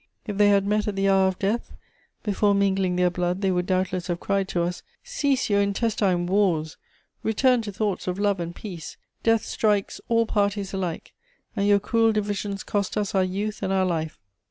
If they had met at the hour of death, before mingling their blood they would doubtless have cried to us, 'Cease your intestine wars, return to thoughts of love and peace; death strikes all parties alike, and your cruel divisions cost us our youth and our life.'